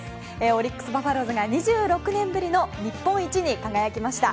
オリックス・バファローズが２６年ぶりの日本一に輝きました。